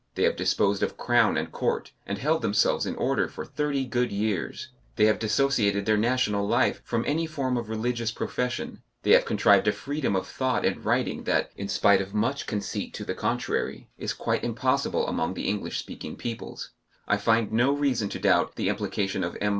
They have disposed of crown and court, and held themselves in order for thirty good years; they have dissociated their national life from any form of religious profession; they have contrived a freedom of thought and writing that, in spite of much conceit to the contrary, is quite impossible among the English speaking peoples. I find no reason to doubt the implication of M.